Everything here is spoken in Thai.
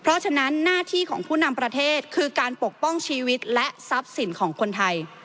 เพราะฉะนั้นหน้าที่ของผู้นำประเทศคือการปกป้องชีวิตและทรัพย์สินของคนไทย